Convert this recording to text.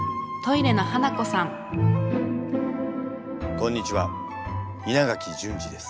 こんにちは稲垣淳二です。